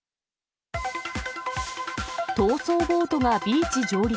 逃走ボートがビーチ上陸。